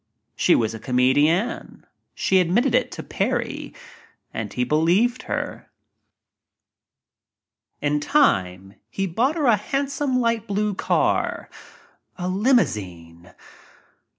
She was a come dienne. She admitted it to Parry and he believed it. In time he bought her a handsome light blife car a limousine.